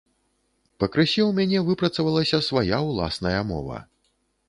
Пакрысе ў мяне выпрацавалася свая ўласная мова.